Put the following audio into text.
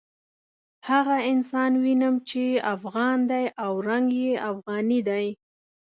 هغه انسان وینم چې افغان دی او رنګ یې افغاني دی.